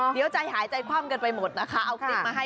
เดี๋ยวใจหายใจความเกินไปหมดนะคะ